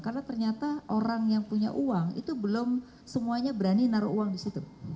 karena ternyata orang yang punya uang itu belum semuanya berani naruh uang di situ